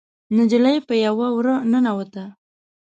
نجلۍ په يوه وره ننوته.